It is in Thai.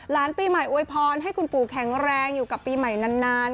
ปีใหม่อวยพรให้คุณปู่แข็งแรงอยู่กับปีใหม่นาน